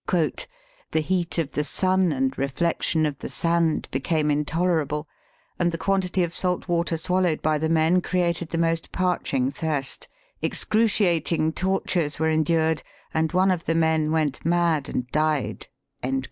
" The heat of the sun and reflexion of the sand became intolerable, and the quantity of salt water swallowed by the men created the most parching thirst ; excruciating tortures were endured, and one of the men went mad and died."